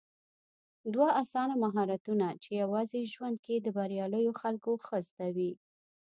دوه اسانه مهارتونه چې يوازې ژوند کې د برياليو خلکو ښه زده دي